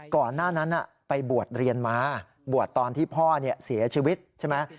ก่อนหน้านั้นไปบวชเรียนมาบวชตอนที่พ่อเสียชีวิตใช่ไหม